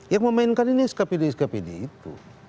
yang memainkan ini skpd skpd itu